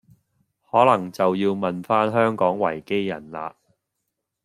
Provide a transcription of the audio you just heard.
可能就要問返香港維基人喇